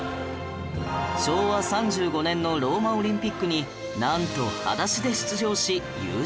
昭和３５年のローマオリンピックになんと裸足で出場し優勝